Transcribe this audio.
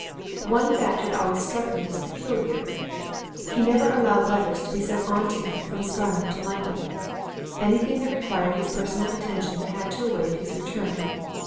One fact had always struck me as peculiar he never allowed letters to be sent on to him from Scarnham to London. Anything that required his personal attention had to await his return.